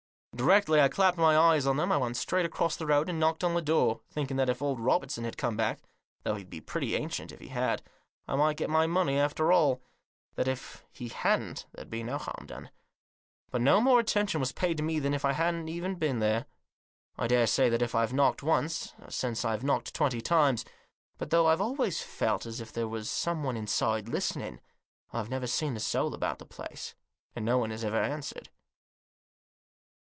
Directly I clapped eyes on them I went straight across the road, and knocked at the door ; thinking that if old Robert son had come back — though he'd be pretty ancient if he had — I might get my money after all ; and that if II* Digitized by 164 THE JOSS. he hadn't there'd be no harm done. But no more attention was paid to me than if I hadn't been there. I daresay that if I've knocked once since I've knocked twenty times ; but, though I've always felt as if there was someone inside listening, I've never seen a soul about the place, and no one has ever answered.